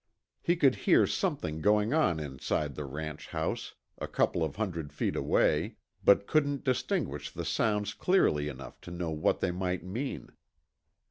He could hear something going on inside the ranch house, a couple of hundred feet away, but couldn't distinguish the sounds clearly enough to know what they might mean.